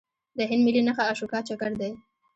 د هند ملي نښه اشوکا چکر دی.